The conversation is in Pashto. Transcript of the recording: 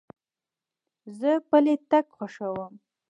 زه پلي تګ خوښوم.